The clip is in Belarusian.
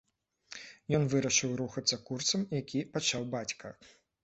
Ён вырашыў рухацца курсам, які пачаў бацька.